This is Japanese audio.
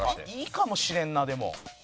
いいかもしれんなでも。